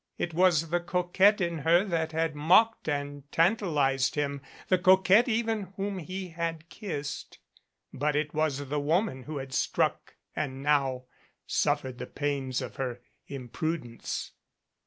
It was the coquette in her that had mocked and tantalized him, the coquette even whom he had kissed but it was the woman who had struck and now suffered the pains of her imprudence.